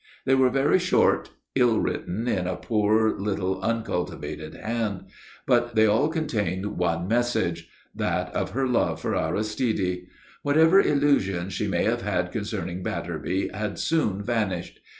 They were very short, ill written in a poor little uncultivated hand. But they all contained one message, that of her love for Aristide. Whatever illusions she may have had concerning Batterby had soon vanished.